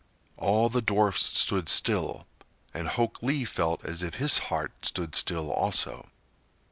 All the dwarfs stood still, and Hok Lee felt as if his heart stood still also.